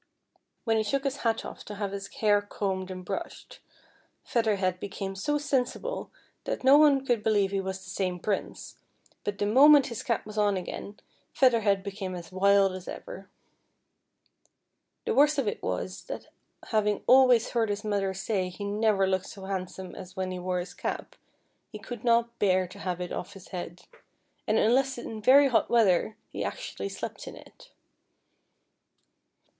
When he took his hat off to have his hair combed and brushed, I 'eather Head became so sensible that no one could 224 FEA'IHER HEAD. believe he was the same Prince, but the moment his cap was on again, Feather Head became as wild as ever. The worst of it was, that having always heard his mother say he never looked so handsome as when he wore his cap, he could not bear to have it off his head, and unless in very hot weather, he actually slept in it.